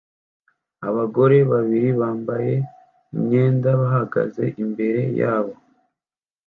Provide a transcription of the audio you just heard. Abagore babiri bambaye imyenda bahagaze imbere yabo